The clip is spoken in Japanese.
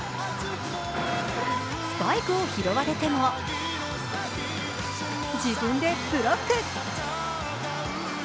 スパイクを拾われても、自分でブロック。